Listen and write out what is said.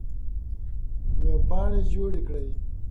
وېبپاڼې جوړې کړئ.